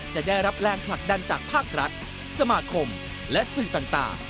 จะได้รับแรงผลักดันจากภาครัฐสมาคมและสื่อต่าง